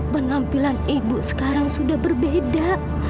penampilan ibu sekarang sudah berbeda